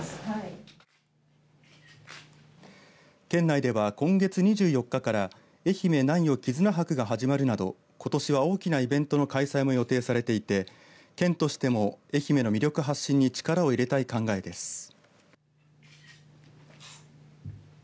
県内では今月２４日からえひめ南予きずな博が始まるなどことしは大きなイベントの開催も予定されていて県としても愛媛の魅力発信に力を入れたい考えです。